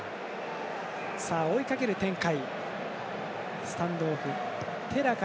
追いかける展開。